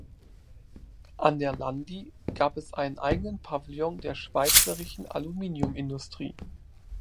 An der «Landi» gab es einen eigenen Pavillon der schweizerischen Aluminium-Industrie.